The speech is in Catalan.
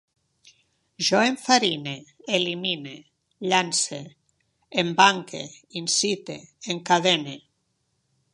Jo enfarine, elimine, llance, embanque, incite, encadene